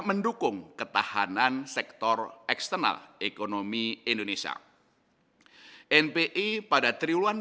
serikat diperlukan untuk menurunkan devisit transaksi berjalan